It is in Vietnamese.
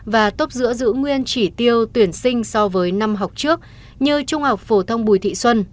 và tốt giữa giữ nguyên chỉ tiêu tuyển sinh so với năm học trước như trung học phổ thông bùi thị xuân